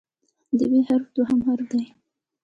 د "ب" حرف دوهم حرف دی.